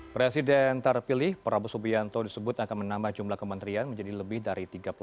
presiden terpilih prabowo subianto disebut akan menambah jumlah kementerian menjadi lebih dari tiga puluh